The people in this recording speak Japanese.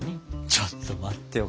ちょっと待ってよ